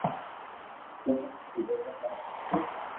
تمي مون ڀيرا راجي ھون